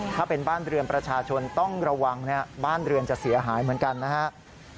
ถ้าเป็นบ้านเรือนประชาชนต้องระวังบ้านเรือนจะเสียหายเหมือนกันนะครับ